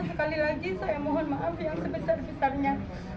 sekali lagi saya mohon maaf yang sebesar besarnya